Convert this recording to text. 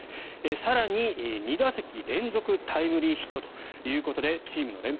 更に２打席連続タイムリーヒットということでチームの連敗